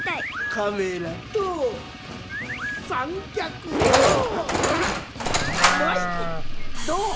カメラと三脚とマイクどう。